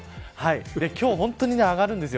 今日は本当に上がるんです。